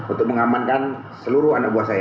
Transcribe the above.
untuk mengamankan seluruh anak buah saya